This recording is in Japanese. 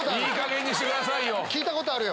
聞いたことあるよ。